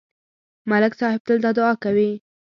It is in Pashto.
ملک صاحب تل دا دعا کوي.